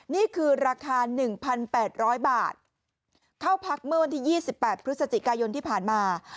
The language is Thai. นี่คือราคา๑๘๐๐บาทเข้าพักเมื่อวันที่๒๘พฤศจิกายนที่ผ่านมา